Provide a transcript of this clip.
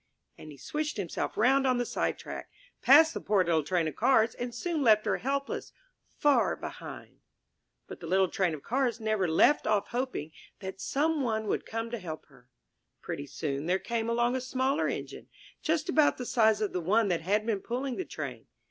'* And he switched himself round on the sidetrack, passed the poor little Train of Cars, and soon left her helpless, far behind! But the little Train of Cars never left off hoping that some one would come to help her. Pretty soon there came along a smaller Engine, just about the size of the one that had been pulling the Train.